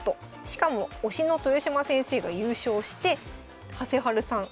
しかも推しの豊島先生が優勝してはせはるさん